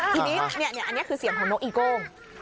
ทีนี้อันนี้คือเสียงของนกอีโก้ง